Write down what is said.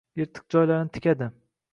Yirtiq joylarini tikadi